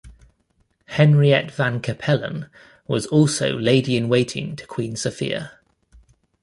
Henriette van Capellen was also lady-in-waiting to Queen Sofia.